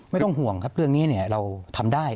ไม่ต้องห่วงครับเรื่องนี้เราทำได้